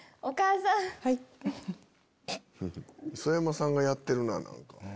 磯山さんがやってるな何か。